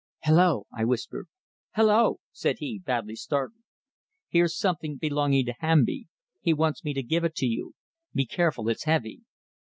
"Hello!" I whispered. "Hello!" said he, badly startled. "Here's something belonging to Hamby. He wants me to give it to you. Be careful, it's heavy."